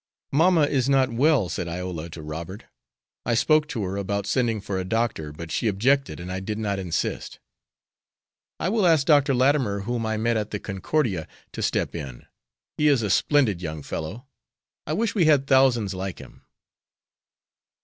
"Mamma is not well," said Iola to Robert. "I spoke to her about sending for a doctor, but she objected and I did not insist." "I will ask Dr. Latimer, whom I met at the Concordia, to step in. He is a splendid young fellow. I wish we had thousands like him."